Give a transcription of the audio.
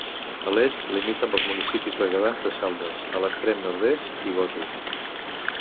A l'est, limita amb els municipis berguedans de Saldes, a l'extrem nord-est, i Gósol.